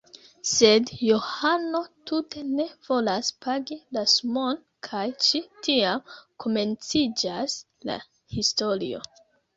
Sed Johano tute ne volas pagi la sumon kaj ĉi tiam komenciĝas la historio.